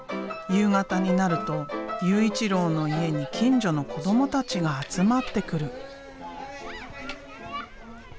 夕方になると悠一郎の家に近所の子どもたちが集まってくる。